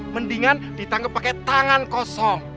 mendingan ditangkap pakai tangan kosong